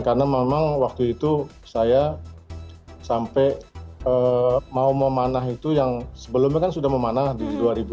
karena memang waktu itu saya sampai mau memanah itu yang sebelumnya kan sudah memanah di dua ribu enam belas